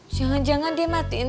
jangan jangan dia matiin